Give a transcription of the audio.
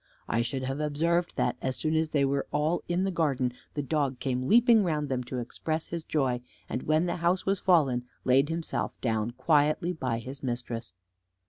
I should have observed that, as soon as they were all in the garden, the dog came leaping round them to express his joy, and when the house was fallen, laid himself down quietly by his mistress.